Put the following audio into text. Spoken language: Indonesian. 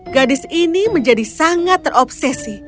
gadis ini menjadi sangat terobsesi